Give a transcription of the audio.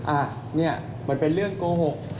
อ่ะเนี่ยมันเป็นเรื่องโกหก